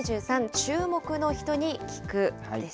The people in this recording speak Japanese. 注目の人に聞くです。